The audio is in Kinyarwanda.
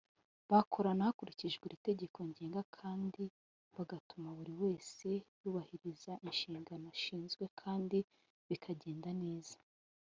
bakorana hakurikijwe iri tegeko ngenga kandi bagatuma buri wese yubahiriza inshingano ashinzwe kandi bikagenda neza.